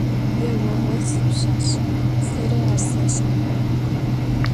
Yê - vo - voy, sipşsaşs, seri ar seş'e.